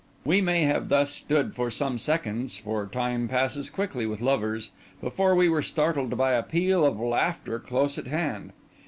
We may have thus stood for some seconds—for time passes quickly with lovers—before we were startled by a peal of laughter close at hand.